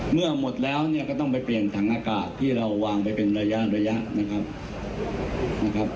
เมื่อหมดแล้วเนี่ยก็ต้องไปเปลี่ยนถังอากาศที่เราวางไปเป็นระยะระยะนะครับ